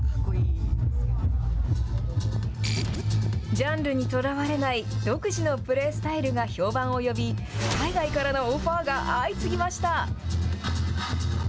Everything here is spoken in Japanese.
ジャンルにとらわれない独自のプレースタイルが評判を呼び、海外からのオファーが相次ぎました。